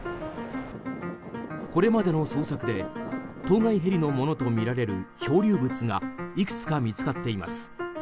これまでの捜索で当該ヘリのものとみられる漂流物がいくつか見つかっています。